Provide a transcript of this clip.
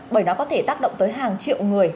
bởi nó có thể tác động tới hàng triệu người